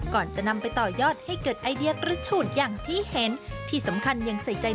ก่อนจะนำไปต่อยอดให้เกิดไอเดียกระฉูดอย่างที่เห็นที่สำคัญยังใส่ใจ